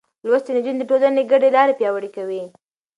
لوستې نجونې د ټولنې ګډې لارې پياوړې کوي.